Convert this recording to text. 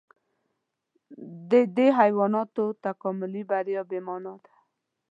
د دې حیواناتو تکاملي بریا بې مانا ده.